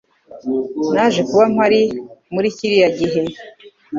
Naje kuba mpari muri kiriya gihe.